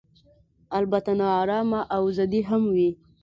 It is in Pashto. البته نا ارامه او ضدي هم وي.